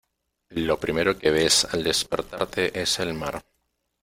lo primero que ves al despertarte es el mar.